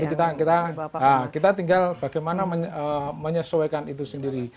kita tinggal bagaimana menyesuaikan itu sendiri